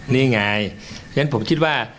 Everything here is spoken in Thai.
นี่ไงฉะนั้นผมคิดว่า